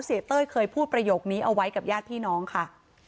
เต้ยเคยพูดประโยคนี้เอาไว้กับญาติพี่น้องค่ะ